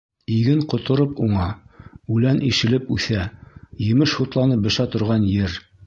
Иген ҡотороп уңа, үлән ишелеп үҫә, емеш һутланып бешә торған ер.